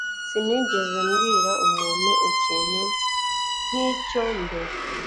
Sinigeze mbwira umuntu ikintu nkicyo mbere.